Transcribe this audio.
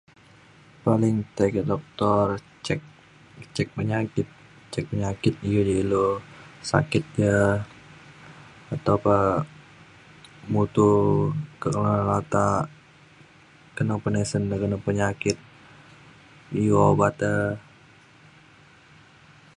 paling tiga doktor cek cek penyakit cek penyakit iu ilu sakit ka atau pa mutu kelunan latak keno penisen ke neng penyakit iu obat e